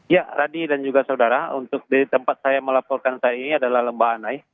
ya radhi dan juga saudara untuk tempat saya melaporkan saat ini adalah lemba anai